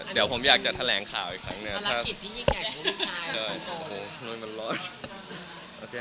เดี๋ยวผมอยากจะแถลงข่าวอีกครั้งหนึ่งครับ